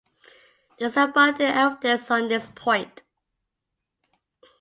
There is abundant evidence on this point.